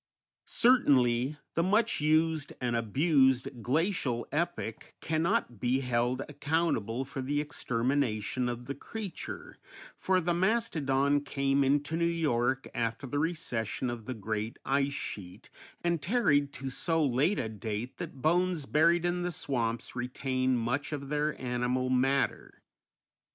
Certainly the much used, and abused, glacial epoch cannot be held accountable for the extermination of the creature, for the mastodon came into New York after the recession of the great ice sheet, and tarried to so late a date that bones buried in the swamps retain much of their animal matter.